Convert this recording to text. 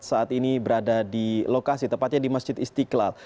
saat ini berada di lokasi tepatnya di masjid istiqlal